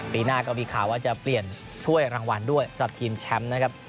ปีหน้าก็มีข่าวว่าจะเปลี่ยนถ้วยรางวัลด้วยสำหรับทีมแชมป์นะครับ